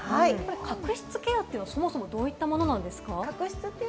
角質ケアはそもそもどういったものなんですか？